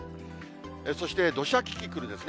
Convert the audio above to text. そして、土砂キキクルですね。